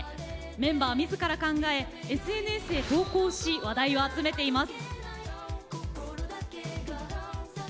メンバーみずから考えＳＮＳへ投稿し話題を集めています。